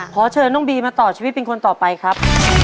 ขอเชิญน้องบีมาต่อชีวิตเป็นคนต่อไปครับ